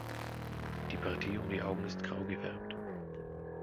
Die Partie um die Augen ist grau gefärbt.